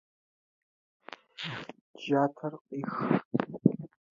Уссурийск — интересный город